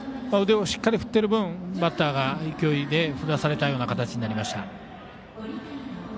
腕をしっかり振っている分バッターが勢いで振らされたような形になりました。